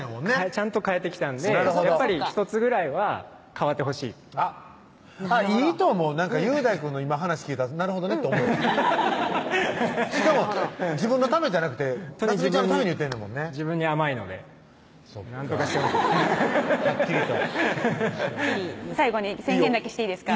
ちゃんと変えてきたんでやっぱり１つぐらいは変わってほしいあっいいと思う雄大くんの今話聞いたらなるほどねって思ったしかも自分のためじゃなくて菜摘ちゃんのために言ってる自分に甘いのでなんとかしようはっきりとはっきり最後に宣言だけしていいですか？